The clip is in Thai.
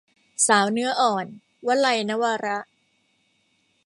สาวเนื้ออ่อน - วลัย นวาระ